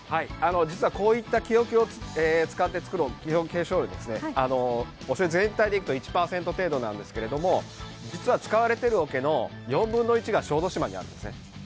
実はこういった木おけを使って作るしょうゆは、おしょうゆ全体でいくと１％程度なんですけど、実は使われているおけの４分の１が小豆島にあるんですね。